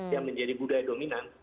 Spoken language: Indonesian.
yang menjadi budaya dominan